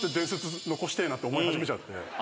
思い始めちゃって。